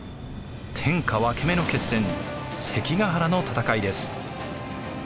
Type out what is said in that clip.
天下分け目の決戦関ヶ原の戦いです。